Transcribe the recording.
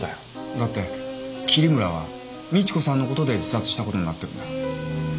だって桐村は美知子さんのことで自殺したことになってるんだ。